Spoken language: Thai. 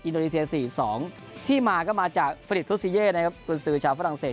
โดนีเซีย๔๒ที่มาก็มาจากฝริตทุศิเยในกลุ่นสื่อชาวฝรั่งเศส